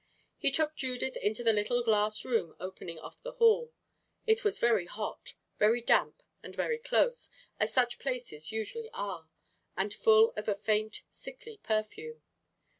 He took Judith into the little glass room opening off the hall. It was very hot, very damp, and very close, as such places usually are, and full of a faint, sickly perfume.